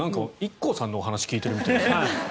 ＩＫＫＯさんの話を聞いているみたい。